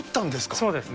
そうですね。